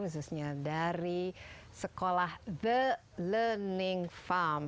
khususnya dari sekolah the learning farm